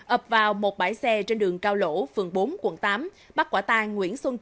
ập vào một bãi xe trên đường cao lỗ phường bốn quận tám